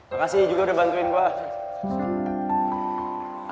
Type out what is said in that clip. makasih juga udah bantuin pak